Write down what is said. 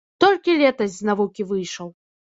Толькі летась з навукі выйшаў.